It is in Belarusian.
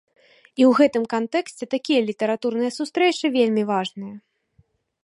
І ў гэтым кантэксце такія літаратурныя сустрэчы вельмі важныя.